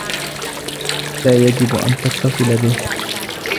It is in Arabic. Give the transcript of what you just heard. لا يجب أن تتصل به.